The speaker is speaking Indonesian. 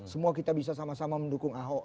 semua kita bisa sama sama mendukung ahok